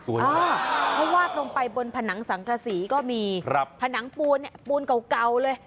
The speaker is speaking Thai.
สวยงามเพราะวาดลงไปบนผนังสังฆาศรีก็มีผนังปูนปูนเกาเลย